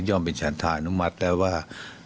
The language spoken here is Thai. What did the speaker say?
เป็นฉันธานุมัติแล้วว่า